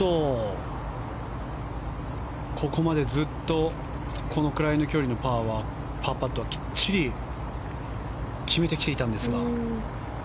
ここまでずっとこのくらいの距離のパーパットはきっちり決めてきていたんですが。